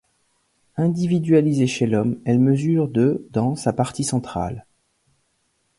Individualisée chez l'homme, elle mesure de dans sa partie centrale.